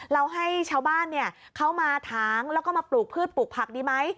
เราให้ชาวบ้านเขามาถางแล้วก็มาปลูกพืชปลูกผักดีไหม